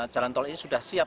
jalan tol ini sudah siap